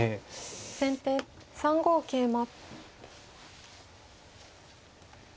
先手３五桂馬。